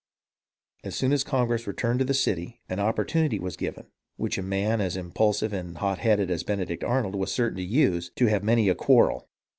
As soon as Con gress returned to the city, an opportunity was given, which a man as impulsive and hot headed as Benedict Arnold was certain to use, to have many a quarrel.